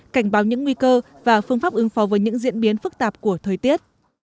cảnh báo những nguy cơ và phương pháp ứng phó với những diễn biến phức tạp của thời tiết